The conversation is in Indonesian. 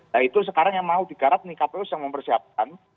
nah itu sekarang yang mau digarap nih kpu sedang mempersiapkan